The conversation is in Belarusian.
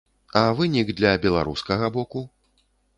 А вынік для беларускага боку?